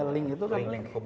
ling itu kan